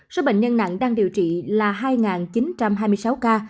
số bệnh nhân nặng đang điều trị là hai chín trăm hai mươi sáu ca